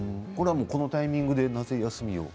このタイミングでなぜ休みを。